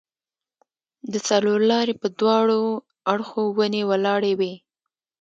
د څلورلارې پر دواړو اړخو ونې ولاړې وې.